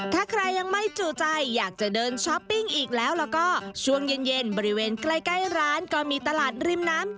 ถ้าใครยังไม่จู่ใจอยากจะเดินช้อปปิ้งอีกแล้วแล้วก็ช่วงเย็นบริเวณใกล้ร้านก็มีตลาดริมน้ำ